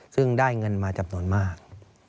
ซึ่งได้เงินมาจำนวนมาก